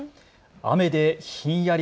雨でひんやり。